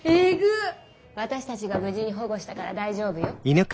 私たちが無事に保護したから大丈夫よ。